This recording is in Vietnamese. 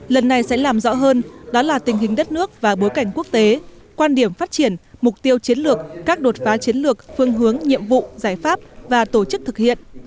lần này sẽ làm rõ hơn đó là tình hình đất nước và bối cảnh quốc tế quan điểm phát triển mục tiêu chiến lược các đột phá chiến lược phương hướng nhiệm vụ giải pháp và tổ chức thực hiện